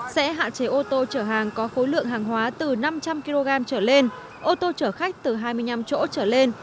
sẽ hạn chế ô tô chở hàng có khối lượng hàng hóa từ năm trăm linh kg trở lên ô tô chở khách từ hai mươi năm chỗ trở lên